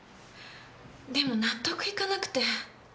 でも納得いかなくて。